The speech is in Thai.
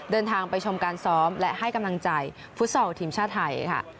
เดินทางไปชมการซ้อมและให้กำลังใจฟุตซอลทีมชาติไทยค่ะ